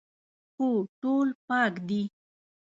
هو، ټول پاک دي